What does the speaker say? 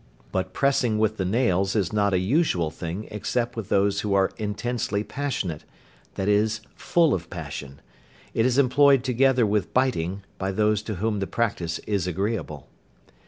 But pressing with the nails is not an usual thing except with those who are intensely passionate, i.e., full of passion. It is employed together with biting, by those to whom the practice is agreeable.